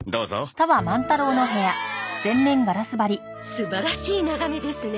素晴らしい眺めですね。